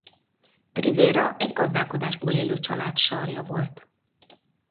Rivera egy gazdálkodásból élő család sarja volt.